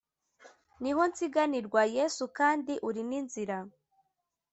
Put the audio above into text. niho nsiganirwa, yesu kandi uri n’inzira